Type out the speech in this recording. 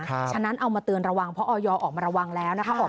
ฉะนั้นเอามาเตือนระวังเพราะออยออกมาระวังแล้วนะคะ